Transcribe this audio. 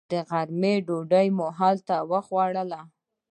د غرمې ډوډۍ مو هلته وخوړله.